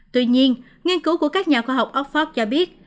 tuy nhiên nghiên cứu của các nhà khoa học oxford cho biết